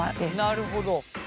なるほど。